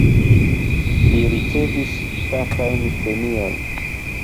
Li ricevis ŝtatajn premiojn.